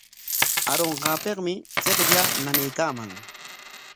Arunqaapikmi chiqllaa nanaykaaman.